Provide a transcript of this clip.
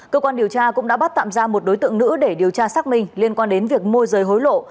cơ quan điều tra cũng đã bắt tạm ra một đối tượng nữ để điều tra xác minh liên quan đến việc môi rời hối lộ